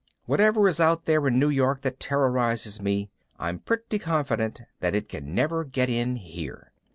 Whatever is out there in New York that terrorizes me, I'm pretty confident that it can never get in here.